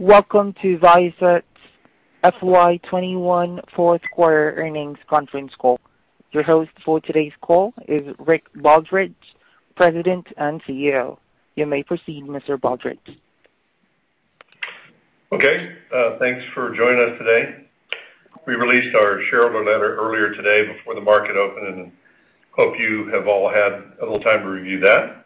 Welcome to Viasat's FY 2021 fourth quarter earnings conference call. Your host for today's call is Rick Baldridge, President and CEO. You may proceed, Mr. Baldridge. Okay. Thanks for joining us today. We released our shareholder letter earlier today before the market opened. Hope you have all had a little time to review that.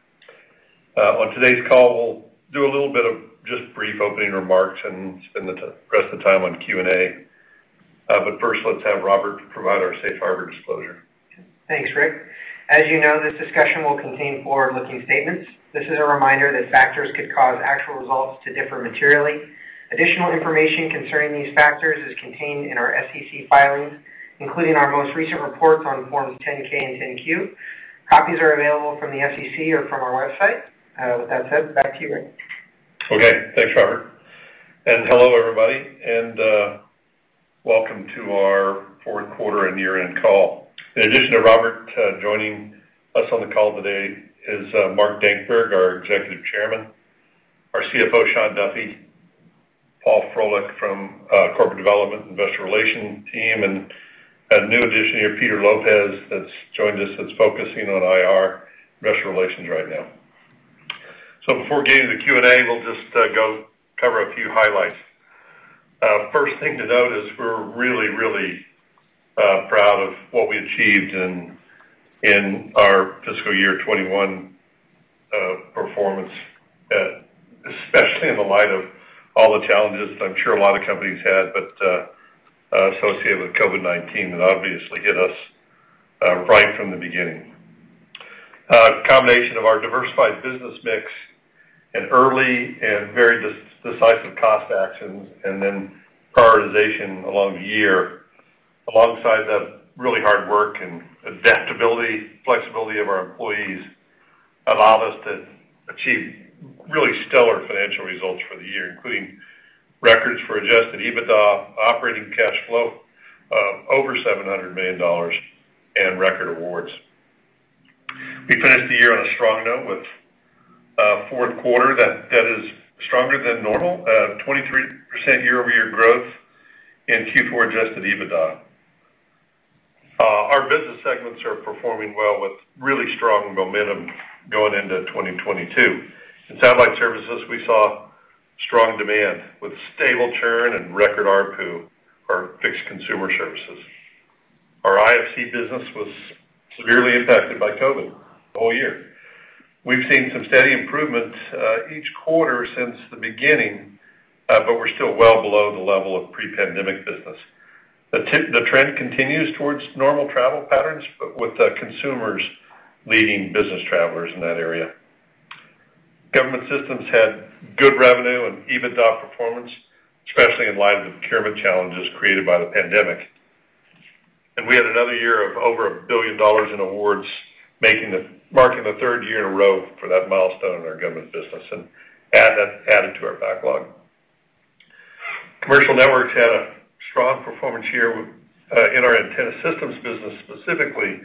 On today's call, we'll do a little bit of just brief opening remarks and spend the rest of the time on Q&A. First, let's have Robert provide our safe harbor disclosure. Thanks, Rick. As you know, this discussion will contain forward-looking statements. This is a reminder that factors could cause actual results to differ materially. Additional information concerning these factors is contained in our SEC filings, including our most recent report on Forms 10-K and 10-Q. Copies are available from the SEC or from our website. With that said, back to you, Rick. Okay. Thanks, Robert. Hello, everybody, and welcome to our fourth quarter and year-end call. In addition to Robert, joining us on the call today is Mark Dankberg, our Executive Chairman, our CFO, Shawn Duffy, Paul Froelich from Corporate Development and Investor Relations team, and a new addition here, Peter Lopez that's joined us that's focusing on IR, Investor Relations right now. Before getting to Q&A, we'll just go cover a few highlights. First thing to note is we're really, really proud of what we achieved in our fiscal year 2021 performance, especially in light of all the challenges I'm sure a lot of companies had, but associated with COVID-19, and obviously hit us right from the beginning. A combination of our diversified business mix and early and very decisive cost actions, prioritization along the year, alongside the really hard work and adaptability, flexibility of our employees allowed us to achieve really stellar financial results for the year, including records for adjusted EBITDA operating cash flow of over $700 million and record awards. We finished the year on a strong note with a fourth quarter that is stronger than normal, 23% year-over-year growth in Q4 adjusted EBITDA. Our business segments are performing well with really strong momentum going into 2022. In Satellite Services, we saw strong demand with stable churn and record ARPU for fixed consumer services. Our IFC business was severely affected by COVID-19 the whole year. We've seen some steady improvements each quarter since the beginning, but we're still well below the level of pre-pandemic business. The trend continues towards normal travel patterns, with consumers leading business travelers in that area. Government Systems had good revenue and EBITDA performance, especially in light of the procurement challenges created by the pandemic. We had another year of over $1 billion in awards, marking the third year in a row for that milestone in our government business and adding to our backlog. Commercial Networks had a strong performance year in our antenna systems business specifically,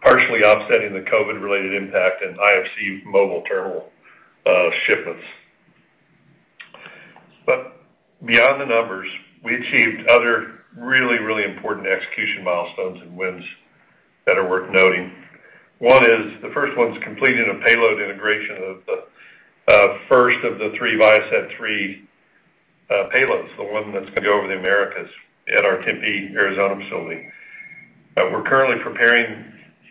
partially offsetting the COVID-related impact in IFC mobile terminal shipments. Beyond the numbers, we achieved other really important execution milestones and wins that are worth noting. The first one's completing the payload integration of the first of the three ViaSat-3 payloads, the one that's going to go over the Americas at our Tempe, Arizona facility. We're currently preparing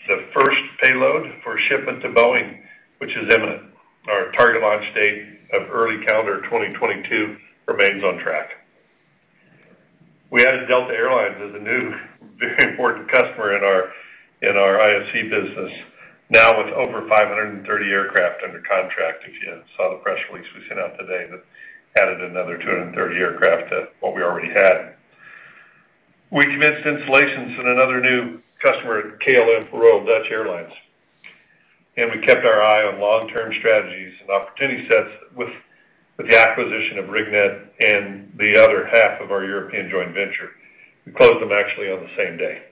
the first payload for shipment to Boeing, which is imminent. Our target launch date of early calendar 2022 remains on track. We added Delta Air Lines as a new very important customer in our IFC business, now with over 530 aircraft under contract. If you saw the press release we sent out today, that added another 230 aircraft to what we already had. We convinced Inmarsat and another new customer, KLM Royal Dutch Airlines, and we kept our eye on long-term strategies and opportunity sets with the acquisition of RigNet and the other half of our European joint venture. We closed them actually on the same day.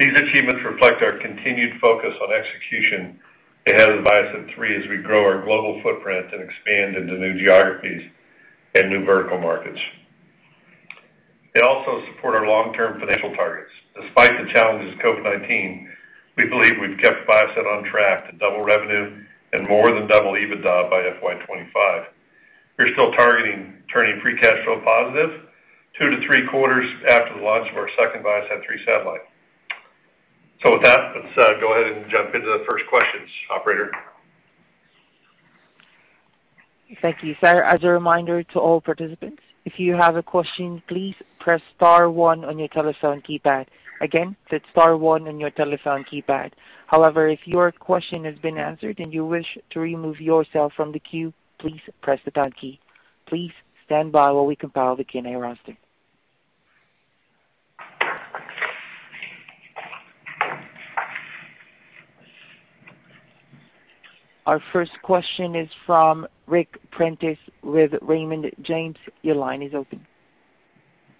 These achievements reflect our continued focus on execution ahead of ViaSat-3 as we grow our global footprint and expand into new geographies and new vertical markets. They also support our long-term financial targets. Despite the challenges of COVID-19, we believe we've kept Viasat on track to double revenue and more than double EBITDA by FY 2025. We're still targeting turning free cash flow positive two to three quarters after the launch of our second ViaSat-3 satellite. With that, let's go ahead and jump into the first questions. Operator? Thank you, sir. As a reminder to all participants, if you have a question, please press star one on your telephone keypad. Again, that's star one on your telephone keypad. However, if your question has been answered and you wish to remove yourself from the queue, please press the pound key. Please stand by while we compile the Q&A roster. Our first question is from Ric Prentiss with Raymond James, your line is open.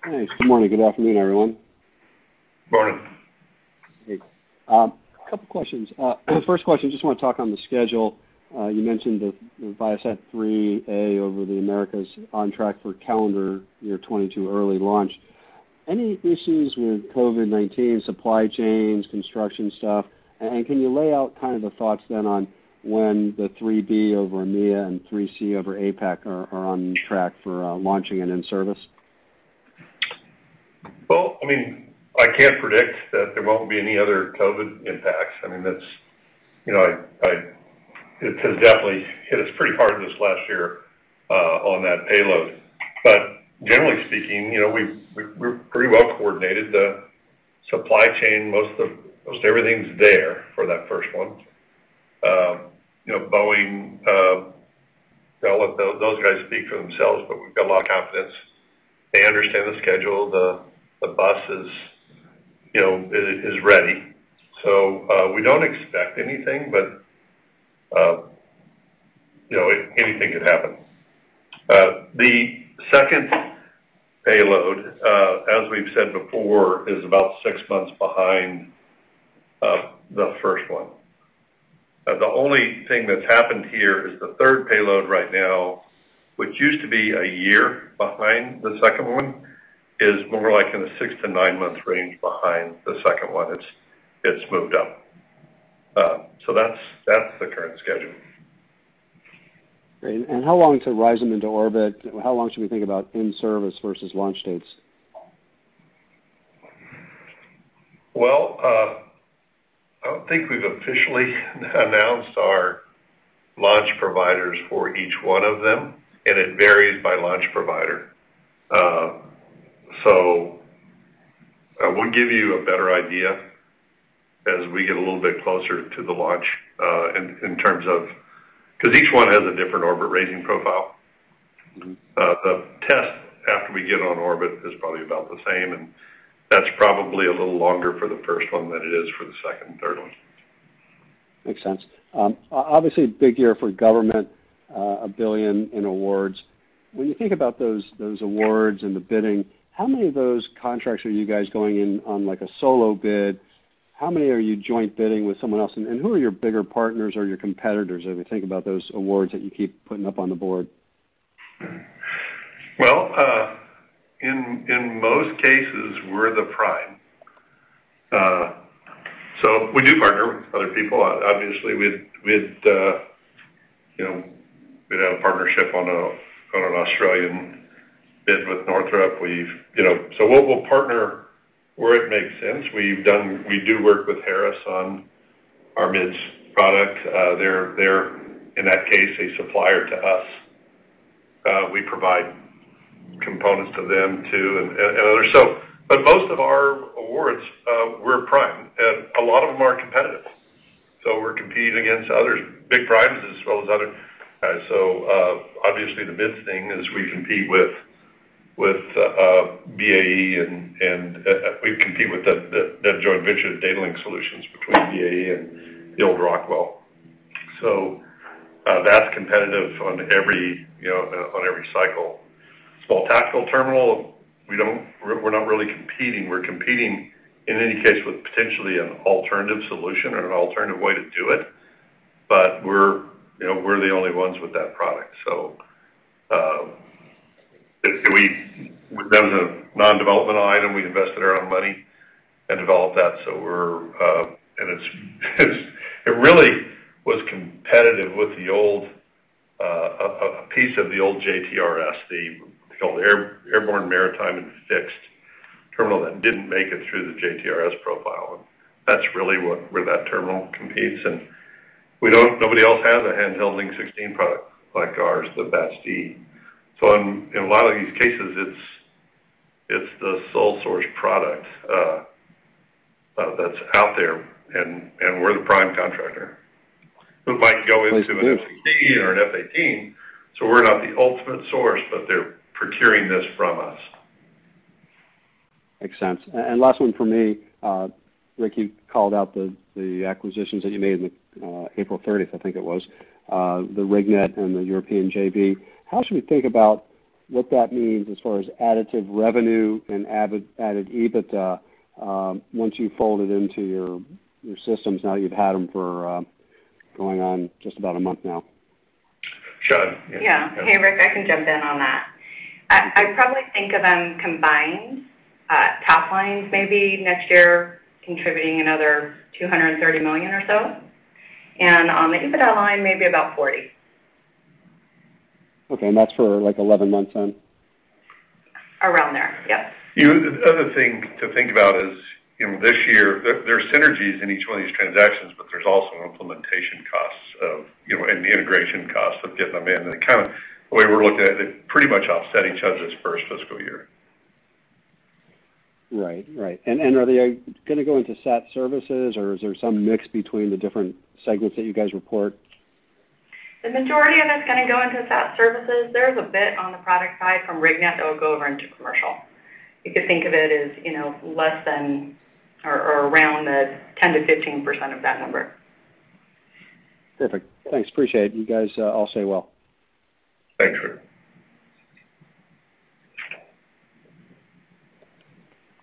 Good morning. Good afternoon, everyone. Hi. Great. A couple questions. First question, just want to talk on the schedule. You mentioned the ViaSat-3A over the Americas on track for calendar year 2022 early launch. Any issues with COVID-19, supply chains, construction stuff? Can you lay out the thoughts then on when the 3B over EMEA and 3C over APAC are on track for launching and in service? Well, I can't predict that there won't be any other COVID-19 impacts. It has definitely hit us pretty hard this last year on that payload. Generally speaking, we're pretty well coordinated. The supply chain, most of everything's there for that first one. Boeing, I'll let those guys speak for themselves, but we've got a lot of confidence. They understand the schedule. The bus is ready. We don't expect anything, but anything can happen. The second payload, as we've said before, is about six months behind the first one. The only thing that's happened here is the third payload right now, which used to be a year behind the second one, is more like in the six- to nine-month range behind the second one. It's moved up. That's the current schedule. Great. How long until rising into orbit? How long should we think about in-service versus launch dates? Well, I don't think we've officially announced our launch providers for each one of them, and it varies by launch provider. We'll give you a better idea as we get a little bit closer to the launch because each one has a different orbit raising profile. The test after we get on orbit is probably about the same, and that's probably a little longer for the first one than it is for the second and third ones. Makes sense. Obviously a big year for government, $1 billion in awards. When you think about those awards and the bidding, how many of those contracts are you guys going in on a solo bid? How many are you joint bidding with someone else? Who are your bigger partners or your competitors as we think about those awards that you keep putting up on the board? Well, in most cases, we're the prime. We do partner with other people. Obviously, we had a partnership on an Australian bid with Northrop. We'll partner where it makes sense. We do work with Harris on our MIDS product. They're, in that case, a supplier to us. We provide components to them, too, and others. Most of our awards, we're prime. A lot of them are competitive, so we're competing against others, big primes as well as others. Obviously the MIDS thing is we compete with BAE, and we compete with that joint venture, Data Link Solutions, between BAE and L3Harris. That's competitive on every cycle. Tactical terminal, we're not really competing. We're competing, in any case, with potentially an alternative solution or an alternative way to do it, but we're the only ones with that product. That was a non-development item. We invested our own money and developed that. It really was competitive with a piece of the old JTRS, the Airborne, Maritime, and Fixed Terminal that didn't make it through the JTRS profile. That's really where that terminal competes. Nobody else has a handheld L16 product like ours, the BATS-D. In a lot of these cases, it's the sole source product that's out there, and we're the prime contractor. We might go into an F-16 or an F-18, so we're not the ultimate source, but they're procuring this from us. Makes sense. Last one from me. Ric called out the acquisitions that you made on April 30th, I think it was, the RigNet and the European JV. How should we think about what that means as far as additive revenue and added EBITDA once you fold it into your systems now you've had them for going on just about a month now? Chad? Yeah. Hey, Ric, I can jump in on that. I'd probably think of them combined, top lines maybe next year contributing another $230 million or so. On the EBITDA line, maybe about $40. Okay, that's for 11 months in? Around there, yeah. The other thing to think about is this year, there's synergies in each of these transactions, but there's also implementation costs and the integration costs. The way we're looking at it, pretty much offsetting each other's first fiscal year. Right. Are they going to go into SAT Services or is there some mix between the different segments that you guys report? The majority of it's going to go into SAT Services. There is a bit on the product side from RigNet that will go over into Commercial. You could think of it as less than or around the 10%-15% of that number. Perfect. Thanks. Appreciate it, you guys. I'll say well. Thanks, Richard.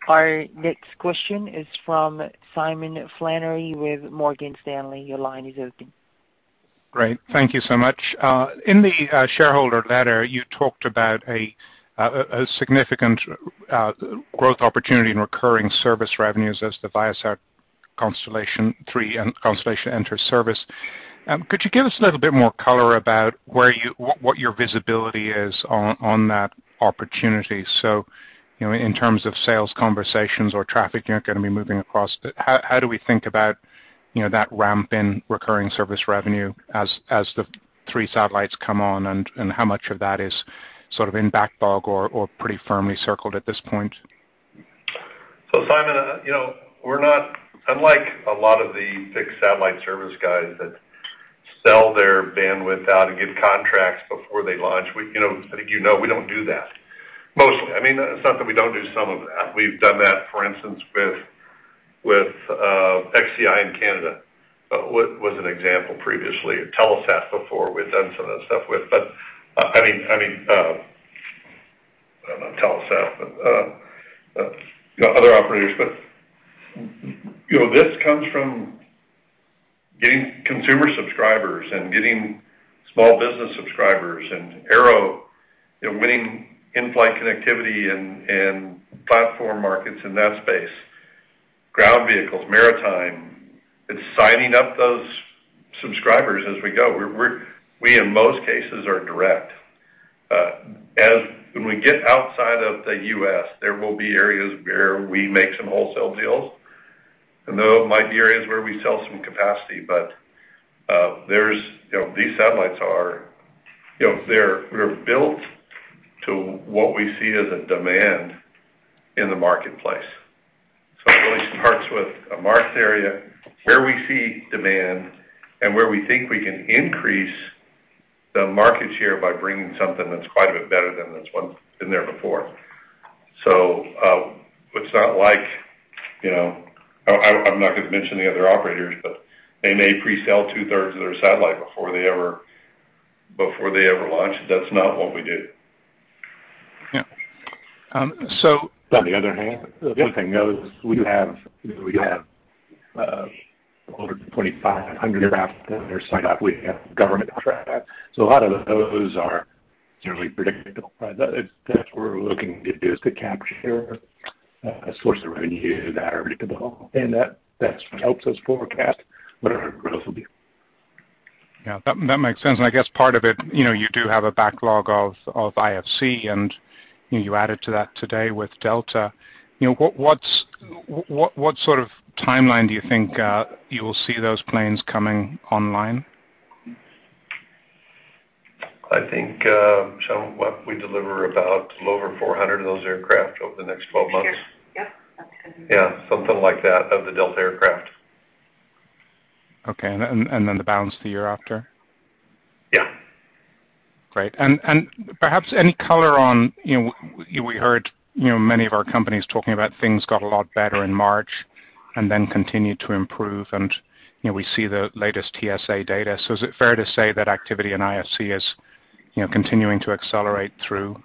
Our next question is from Simon Flannery with Morgan Stanley. Your line is open. Great. Thank you so much. In the shareholder letter, you talked about a significant growth opportunity in recurring service revenues as the ViaSat-3 and Constellation enter service. Could you give us a little bit more color about what your visibility is on that opportunity? In terms of sales conversations or traffic you're going to be moving across, how do we think about that ramp in recurring service revenue as the three satellites come on, and how much of that is sort of in backlog or pretty firmly circled at this point? Simon, unlike a lot of the big satellite service guys that sell their bandwidth out and get contracts before they launch, we don't do that. Mostly, it's not that we don't do some of that. We've done that, for instance, with Xplornet in Canada. Was an example previously. Telesat before, we've done some of that stuff with, not Telesat, but other operators. This comes from getting consumer subscribers and getting small business subscribers, and Aero winning in-flight connectivity in platform markets in that space, ground vehicles, maritime. It's signing up those subscribers as we go. We, in most cases, are direct. When we get outside of the U.S., there will be areas where we make some wholesale deals, and those might be areas where we sell some capacity, but these satellites are built to what we see as a demand in the marketplace. It always starts with a market area where we see demand and where we think we can increase the market share by bringing something that's quite a bit better than what's been there before. It's not like, I'm not going to mention the other operators, but they may pre-sell two thirds of their satellite before they ever launch. That's not what we do. Yeah. On the other hand, the good thing though is we have over 2,500 aircraft that are signed up. We have government contracts. A lot of those are generally predictable. That's what we're looking to do is to capture source of revenue that are predictable, and that's what helps us forecast what our growth will be. Yeah, that `makes sense. I guess part of it, you do have a backlog of IFC, and you added to that today with Delta. What sort of timeline do you think you will see those planes coming online? I think we deliver about a little over 400 of those aircraft over the next 12 months. Sure. Yeah. Yeah, something like that of the Delta aircraft. Okay. Then the balance the year after? Yeah. Great. Perhaps any color on, we heard many of our companies talking about things got a lot better in March and then continued to improve. We see the latest TSA data. Is it fair to say that activity in IFC is continuing to accelerate through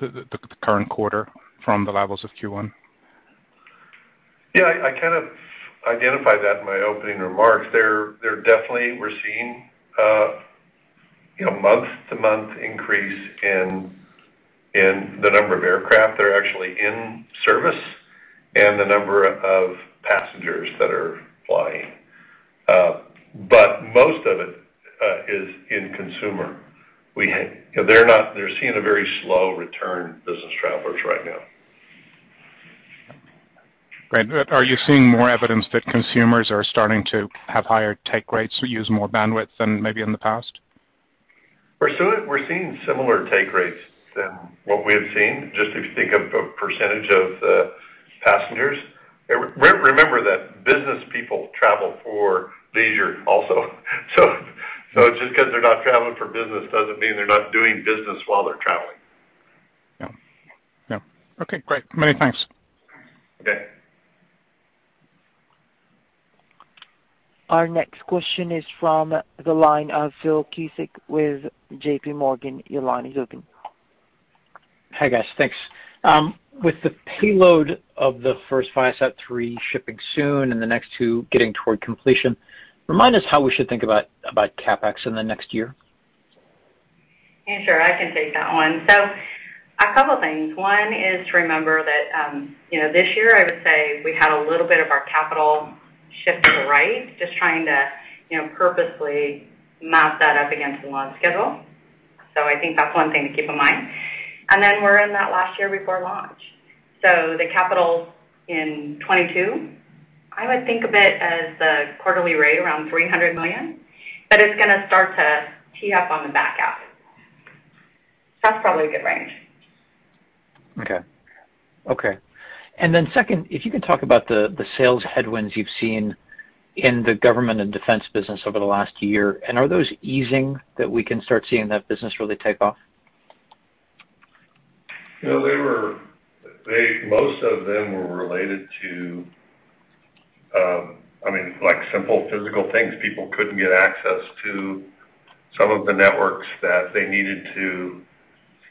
the current quarter from the levels of Q1? Yeah. I kind of identified that in my opening remarks. We're definitely seeing month-to-month increase in the number of aircraft that are actually in service and the number of passengers that are flying. Most of it is in consumer. They're seeing a very slow return in business travelers right now. Right. Are you seeing more evidence that consumers are starting to have higher take rates or use more bandwidth than maybe in the past? We're seeing similar take rates than what we had seen, just if you think of the percentage of the passengers. Remember that business people travel for leisure also. Just because they're not traveling for business doesn't mean they're not doing business while they're traveling. Yeah. Okay, great. Many thanks. Okay. Our next question is from the line of Sebastiano Petti with JPMorgan. Your line is open. Hi, guys. Thanks. With the payload of the first ViaSat-3 shipping soon and the next two getting toward completion, remind us how we should think about CapEx in the next year. Sure, I can take that one. A couple things. One is to remember that this year I would say we had a little bit of our capital shift to the right, just trying to purposely map that up against the launch schedule. I think that's one thing to keep in mind. We're in that last year before launch. The capital in 2022, I would think of it as the quarterly rate around $300 million, but it's going to start to tee up on the back half. That's probably a good range. Okay. Second, if you can talk about the sales headwinds you've seen in the Government Systems business over the last year, are those easing that we can start seeing that business really take off? Most of them were related to simple physical things. People couldn't get access to some of the networks that they needed to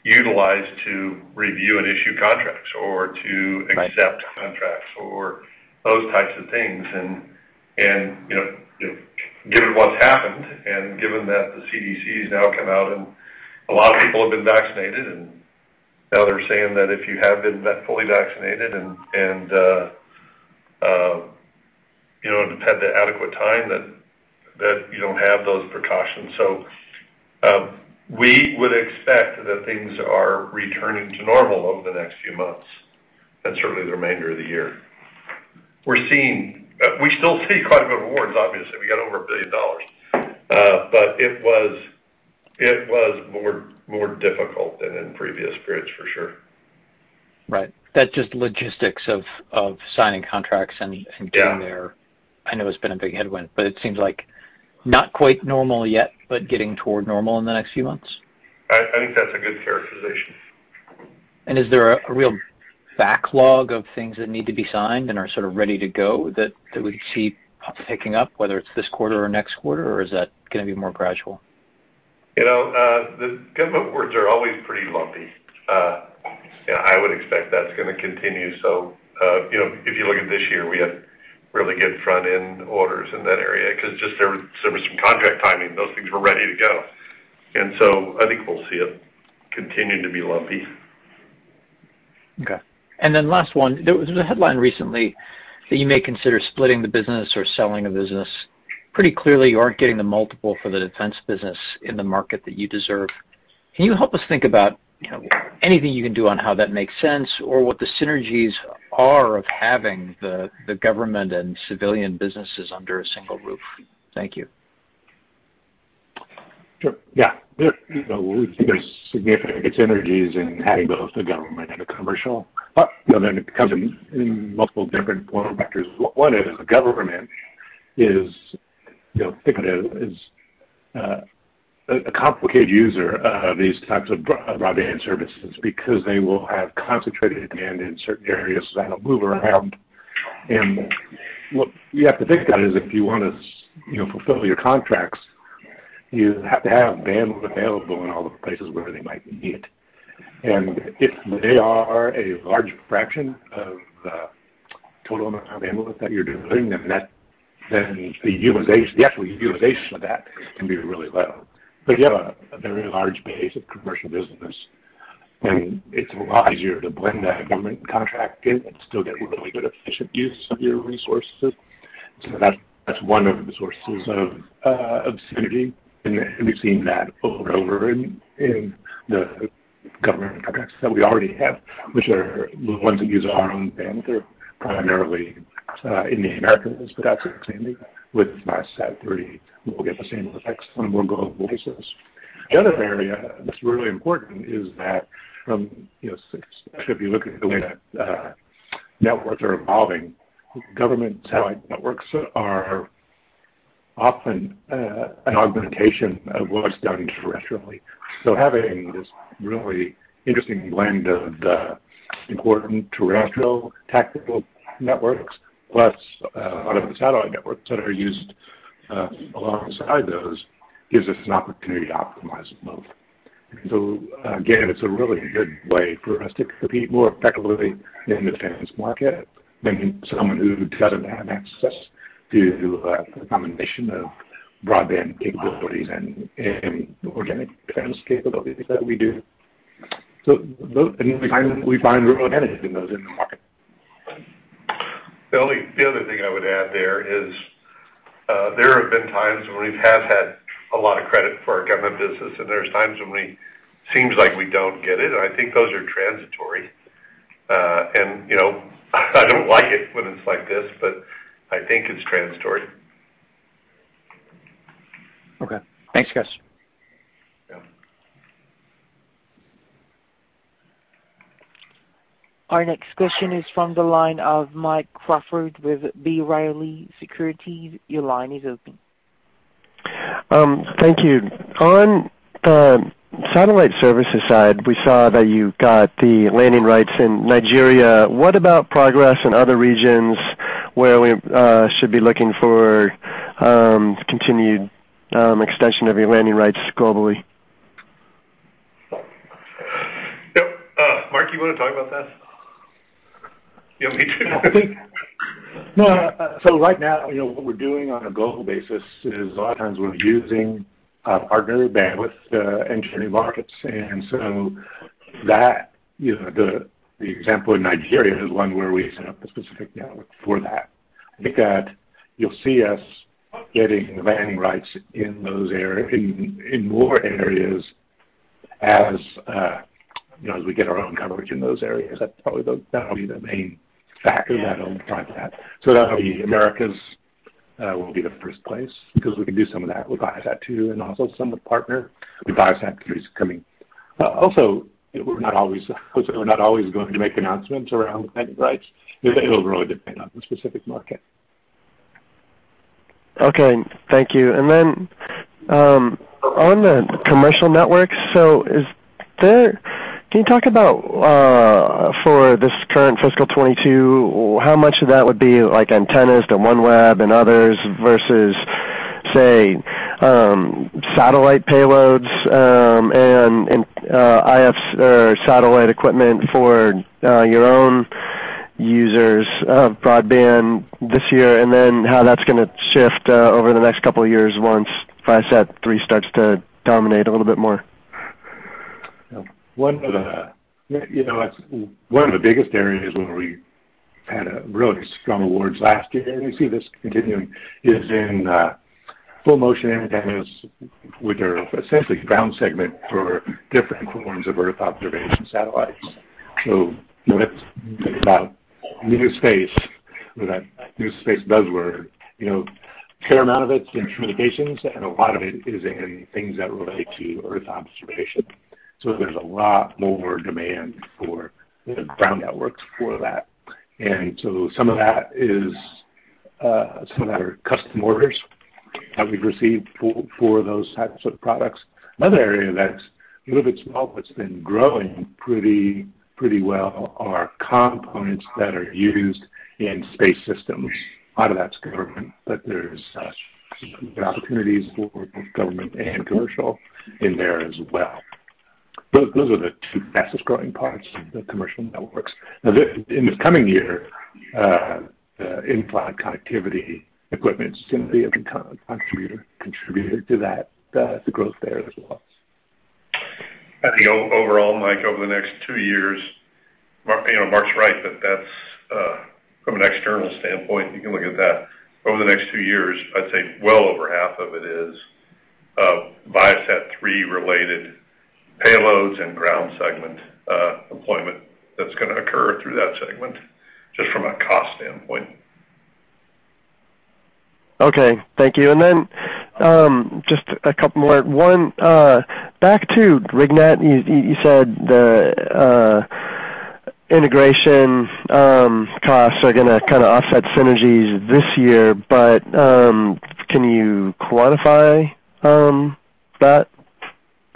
utilize to review and issue contracts or to accept contracts or those types of things. Given what's happened, and given that the CDC has now come out and a lot of people have been vaccinated, and now they're saying that if you have been fully vaccinated and had the adequate time, that you don't have those precautions. We would expect that things are returning to normal over the next few months and certainly the remainder of the year. We still see quite a bit of awards, obviously. We got over $1 billion. It was more difficult than in previous periods, for sure. Right. That's just logistics of signing contracts and getting there. Yeah. I know it's been a big headwind, but it seems like not quite normal yet, but getting toward normal in the next few months? I think that's a good characterization. Is there a real backlog of things that need to be signed and are sort of ready to go that we see picking up, whether it's this quarter or next quarter? Or is that going to be more gradual? The government awards are always pretty lumpy. I would expect that's going to continue. If you look at this year, we had really good front-end orders in that area because there was some contract timing. Those things were ready to go. I think we'll see it continuing to be lumpy. Okay. Last one. There was a headline recently that you may consider splitting the business or selling the business. Pretty clearly, you aren't getting the multiple for the defense business in the market that you deserve. Can you help us think about anything you can do on how that makes sense, or what the synergies are of having the government and civilian businesses under a single roof? Thank you. Sure. Yeah. We think there's significant synergies in having both the government and the commercial. It comes in multiple different form factors. One is the government is typically a complicated user of these types of broadband services because they will have concentrated demand in certain areas that'll move around. What you have to think about is if you want to fulfill your contracts, you have to have bandwidth available in all the places where they might need it. If they are a large fraction of the total amount of bandwidth that you're delivering, then the actual utilization of that can be really low. You have a very large base of commercial business, and it's a lot easier to blend that government contract in and still get really good efficient use of your resources. That's one of the sources of synergy, and we've seen that over and over in the government contracts that we already have, which are the ones that use our own bandwidth or primarily in the Americas. That's extending with ViaSat-3. We'll get the same effects on a more global basis. The other area that's really important is that from, especially if you look at the way that networks are evolving, government satellite networks are often an augmentation of what's done terrestrially. Having this really interesting blend of the important terrestrial tactical networks, plus a lot of the satellite networks that are used alongside those, gives us an opportunity to optimize them both. Again, it's a really good way for us to compete more effectively in the defense market than someone who doesn't have access to a combination of broadband capabilities and organic defense capabilities that we do. We find real advantage in those in the market. The only other thing I would add there is, there have been times when we have had a lot of credit for our government business, and there's times when it seems like we don't get it, and I think those are transitory. I don't like it when it's like this, but I think it's transitory. Okay. Thanks, guys. Yeah. Our next question is from the line of Mike Crawford with B. Riley Securities. Your line is open. Thank you. On Satellite Services side, we saw that you got the landing rights in Nigeria. What about progress in other regions where we should be looking for continued extension of your landing rights globally? Mike, you want to talk about that? You want me to? Right now, what we're doing on a global basis is a lot of times we're using partnering bandwidth in entering markets. The example in Nigeria is one where we set up a specific network for that. I think that you'll see us getting landing rights in more areas as we get our own coverage in those areas. That'll be the main factor that'll drive that. That'll be Americas will be the first place because we can do some of that with ViaSat-2 and also some with partner with Viasat capabilities coming. We're not always going to make announcements around landing rights. It'll really depend on the specific market. Okay. Thank you. On the Commercial Networks, can you talk about for this current FY 2022, how much of that would be antennas and OneWeb and others versus, say, satellite payloads and satellite equipment for your own users of broadband this year, how that's going to shift over the next couple of years once ViaSat-3 starts to dominate a little bit more? One of the biggest areas where we had really strong awards last year, we see this continuing, is in full motion antennas, which are essentially ground segment for different forms of Earth observation satellites. When it's about new space or that new space buzzword, a fair amount of it's in communications and a lot of it is in things that relate to Earth observation. There's a lot more demand for the ground networks for that. Some of that are custom orders that we've received for those types of products. Another area that's a little bit small, it's been growing pretty well are components that are used in space systems. A lot of that's government, there's opportunities for both government and commercial in there as well. Those are the two fastest-growing parts of the Commercial Networks. In the coming year, in-flight connectivity equipment is going to be a contributor to the growth there as well. I think overall, Mike, over the next two years, Mark's right that from an external standpoint, you can look at that. Over the next two years, I'd say well over half of it is ViaSat-3 related payloads and ground segment deployment that's going to occur through that segment, just from a cost standpoint. Okay, thank you. Just a couple more. One, back to RigNet. You said the integration costs are going to offset synergies this year, but can you quantify that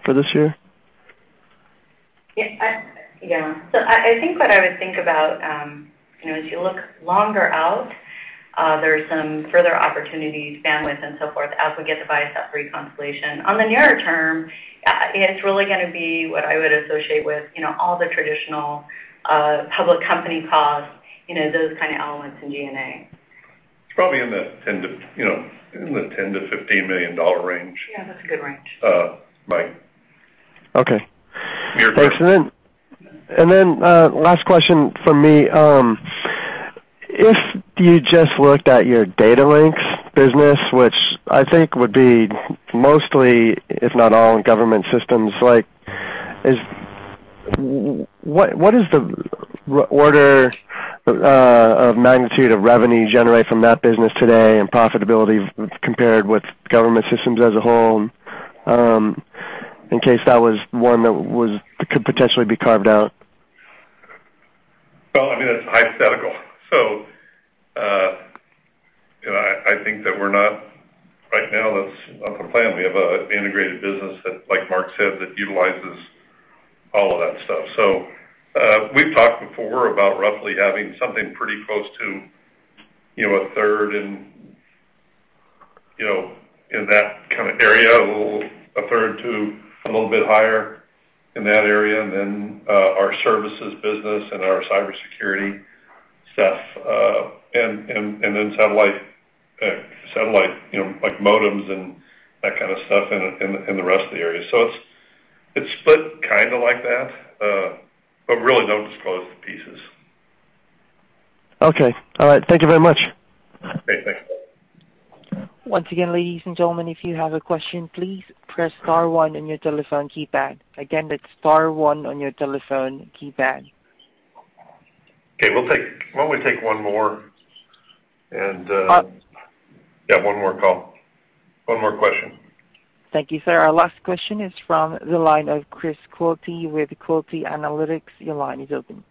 for this year? Yeah. I think what I would think about, if you look longer out, there's some further opportunities, bandwidth and so forth, as we get to ViaSat-3 constellation. On the near term, it's really going to be what I would associate with all the traditional public company costs, those kind of elements in D&A. It's probably in the $10 million-$15 million range. Yeah, that's a good range. Mike. Okay. Thanks. Last question from me. If you just looked at your data links business, which I think would be mostly, if not all Government Systems, what is the order of magnitude of revenue generated from that business today and profitability compared with Government Systems as a whole, in case that was one that could potentially be carved out? Well, it's hypothetical. I think that right now, that's not the plan. We have an integrated business that, like Mark said, utilizes all of that stuff. We've talked before about roughly having something pretty close to a third, in that kind of area. A third to a little bit higher in that area than our services business and our cybersecurity stuff, and then satellite modems and that kind of stuff in the rest of the area. It's split kind of like that. Really, no, it's closed to pieces. Okay. All right. Thank you very much. Great. Thanks. Once again, ladies and gentlemen, if you have a question, please press star one on your telephone keypad. Again, that's star one on your telephone keypad. Okay. Why don't we take one more. Oh. Yeah, one more call. One more question. Thank you, sir. Our last question is from the line of Chris Quilty with Quilty Analytics. Your line is open.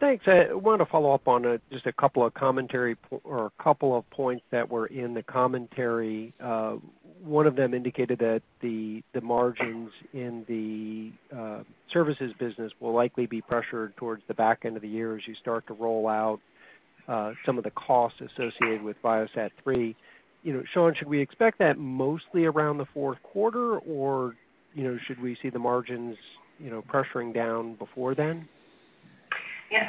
Thanks. I want to follow up on just a couple of points that were in the commentary. One of them indicated that the margins in the Satellite Services business will likely be pressured towards the back end of the year as you start to roll out some of the costs associated with ViaSat-3. Shawn, should we expect that mostly around the fourth quarter, or should we see the margins pressuring down before then?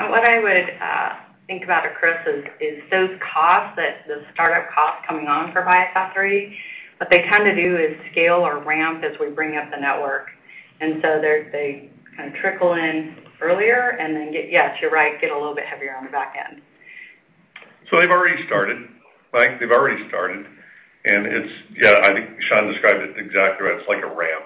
What I would think about it, Chris, is those costs, the startup costs coming on for ViaSat-3, what they do is scale or ramp as we bring up the network. They trickle in earlier and then, yeah, you're right, get a little bit heavier on the back end. They've already started. They've already started. I think Shawn described it exactly right. It's like a ramp.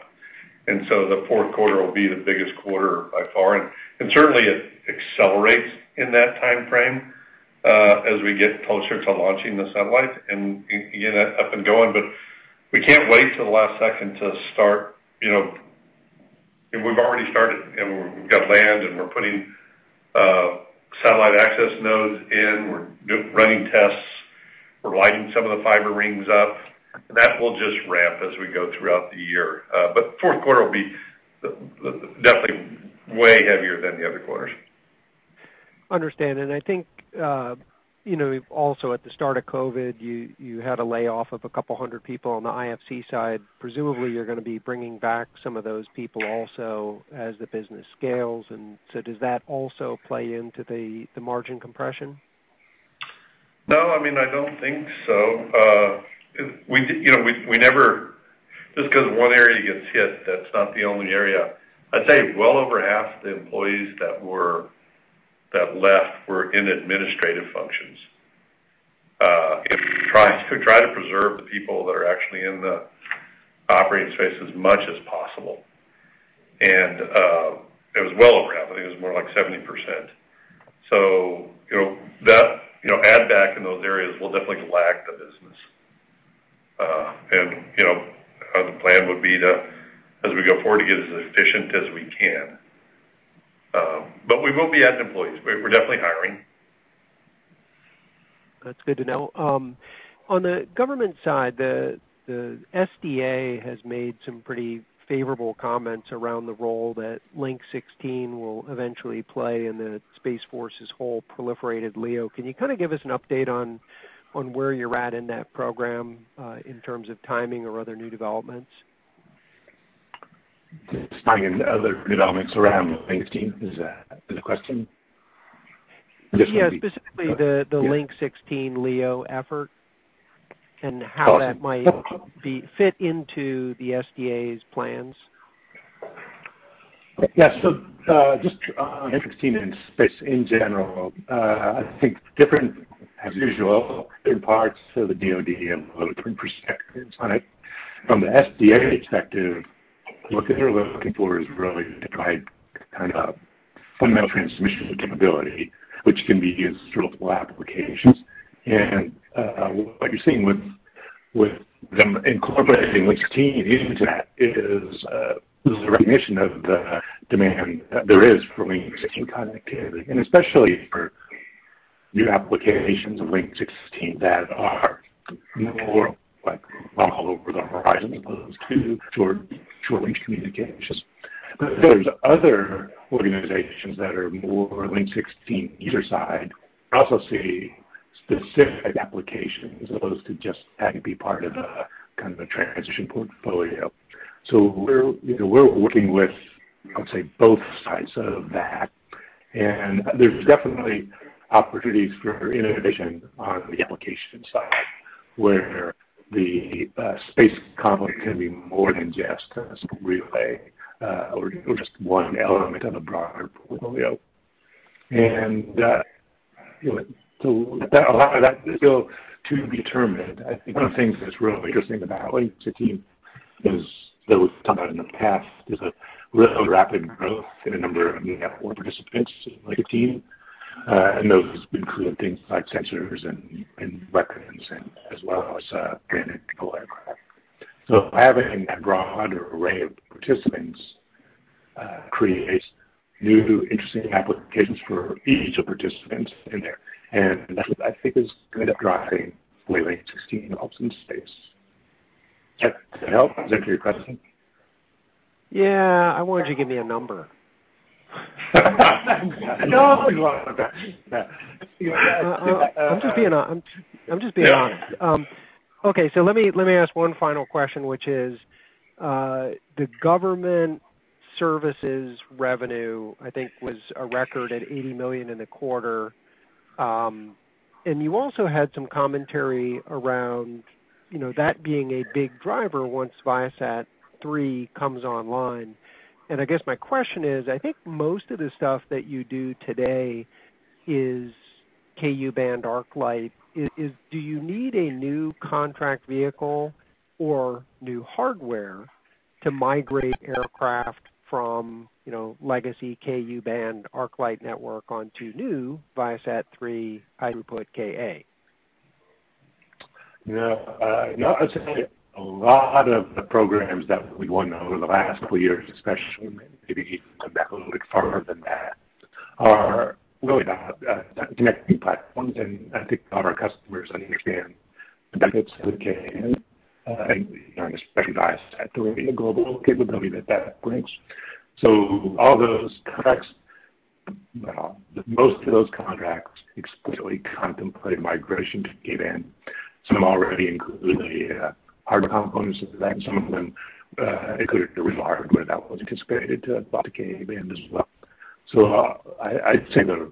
The fourth quarter will be the biggest quarter by far. Certainly, it accelerates in that timeframe as we get closer to launching the satellite and getting that up and going. We can't wait till the last second to start. We've already started. We've got lands, and we're putting satellite access nodes in. We're running tests. We're lighting some of the fiber rings up. That will just ramp as we go throughout the year. The fourth quarter will be definitely way heavier than the other quarters. Understand. I think, also at the start of COVID, you had a layoff of a couple of hundred people on the IFC side. Presumably, you're going to be bringing back some of those people also as the business scales. Does that also play into the margin compression? No, I don't think so. Just because one area gets hit, that's not the only area. I'd say well over half the employees that left were in administrative functions. We try to preserve the people that are actually in the operating space as much as possible. It was well over half. I think it was more like 70%. Add back in those areas will definitely lag the business. The plan would be to, as we go forward, to get as efficient as we can. We will be at employees. We're definitely hiring. That's good to know. On the government side, the SDA has made some pretty favorable comments around the role that Link 16 will eventually play in the Space Force's whole proliferated LEO. Can you kind of give us an update on where you're at in that program in terms of timing or other new developments? Timing and other developments around Link 16? Is that the question? Yeah, specifically the Link 16 LEO effort and how that might fit into the SDA's plans. Yeah. Just on interesting in space in general, I think different, as usual, different parts to the DoD and military perspective. From the SDA perspective, what they're looking for is really to provide fundamental transmission capability, which can be used for multiple applications. What you're seeing with them incorporating Link 16 into that is the recognition of the demand that there is for Link 16 connectivity, and especially for new applications of Link 16 that are more like on all over the horizon as opposed to short communications. Then there's other organizations that are more Link 16 user side also see specific applications as opposed to just having be part of the kind of a transition portfolio. We're working with, I would say, both sides of that, and there's definitely opportunities for innovation on the application side where the space component can be more than just a relay or just one element of a broader portfolio. That is still to be determined. I think one of the things that's really interesting about Link 16 is that we've talked about in the past is a rapid growth in the number of network participants to Link 16. Those include things like sensors and weapons and as well as people aircraft. I think that broad array of participants creates new, interesting applications for each of the participants in there, and that I think is going to drive fully Link 16 out in space. Does that help? Is that your question? Yeah. I wanted you to give me a number. No, I'll give you a number. I'm just being honest. Okay. Let me ask one final question, which is, the Government Services revenue, I think was a record at $80 million in a quarter. You also had some commentary around that being a big driver once ViaSat-3 comes online. I guess my question is, I think most of the stuff that you do today is Ku-band ArcLight. Do you need a new contract vehicle or new hardware to migrate aircraft from legacy Ku-band ArcLight network onto new ViaSat-3 Ka-band? Yeah. I will say a lot of the programs that we won over the last couple of years, especially maybe even a bit further than that, are really connecting platforms. I think a lot of our customers understand the benefits of Ku-band and the standardized capability and the global capability that that brings. All those contracts, most of those contracts explicitly contemplate migration to Ku-band. Some already include the hardware components of that. Some of them include a requirement that was integrated to block Ka-band as well. I'd say the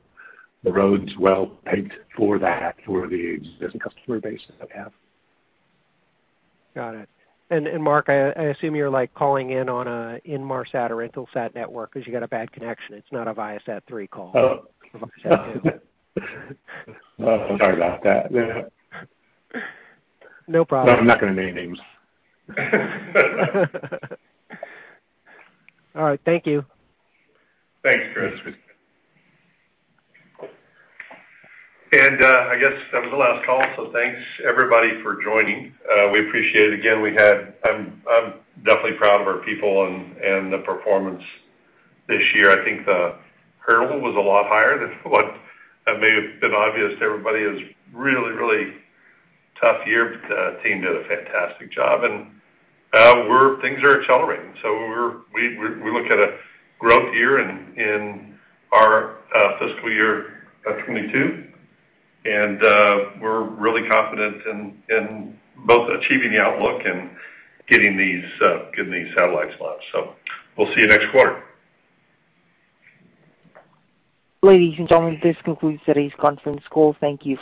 road's well-paved for that for the existing customer base that I have. Got it. Mark, I assume you're calling in on an Inmarsat or Intelsat network because you've got a bad connection. It's not a ViaSat-3 call. Oh. Sorry about that. No problem. I'm not going to names. All right. Thank you. Thanks, Chris. I guess that was the last call, thanks everybody for joining. We appreciate it. Again, I'm definitely proud of our people and the performance this year. I think the hurdle was a lot higher than what may have been obvious to everybody. It was a really tough year, the team did a fantastic job. Things are accelerating. We look at a growth year in our fiscal year 2022, and we're really confident in both achieving the outlook and getting these satellites launched. We'll see you next quarter. Ladies and gentlemen, this concludes today's conference call. Thank you.